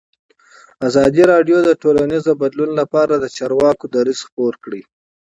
ازادي راډیو د ټولنیز بدلون لپاره د چارواکو دریځ خپور کړی.